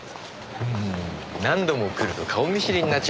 うーん何度も来ると顔見知りになっちゃいますね。